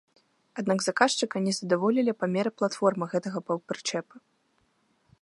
Аднак заказчыка не задаволілі памеры платформы гэтага паўпрычэпа.